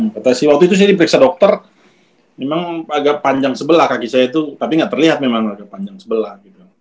katanya sih waktu itu saya diperiksa dokter memang agak panjang sebelah kaki saya itu tapi nggak terlihat memang agak panjang sebelah